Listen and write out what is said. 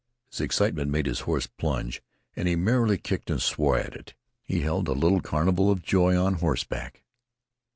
His excitement made his horse plunge, and he merrily kicked and swore at it. He held a little carnival of joy on horseback.